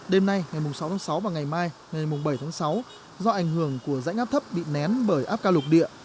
đêm nay ngày sáu tháng sáu và ngày mai ngày bảy tháng sáu do ảnh hưởng của rãnh áp thấp bị nén bởi áp cao lục địa